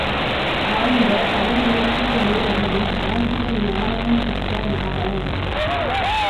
ஆழ்ந்த தமிழ் இலக்கிய நூலறிவும், ஆங்கில ஞானமும் பெற்ற நாவலன்.